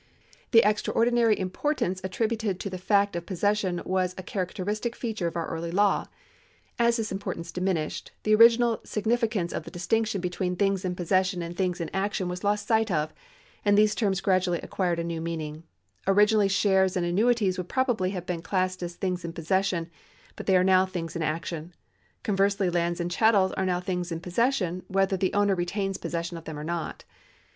^ The extraordinary importance attributed to the fact of possession was a characteristic feature of our early law. As this importance diminished, 1 Jacob's Law Dictionary, cited by Mr. Sweet in L.Q.R. X. at p. 308 n. 424 THE LAW OF OBLIGATIONS [§ 165 the original significance of the distinction between things in possession and things in action was lost sight of, and these terms gradually acquired a new meaning. Originally shares and annuities would probably have been classed as things in })ossession, but they are now things in action. Conversely lands and chattels arc now things in possession, whether the owner retains possession of them or not.